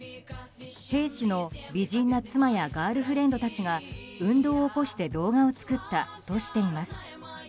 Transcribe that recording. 兵士の美人な妻やガールフレンドたちが運動を起こして動画を作ったとしています。